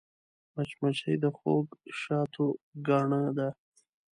مچمچۍ د خوږ شاتو ګاڼه ده